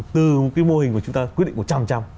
từ cái mô hình của chúng ta quyết định một trăm linh